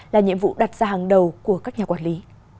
là nhiệm vụ đặt ra hàng đầu của các nhà quản lý